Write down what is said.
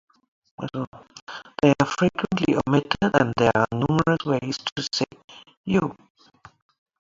They are frequently omitted, and there are numerous ways to say "you".